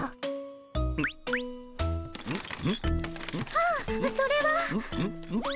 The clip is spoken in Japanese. あっそれは。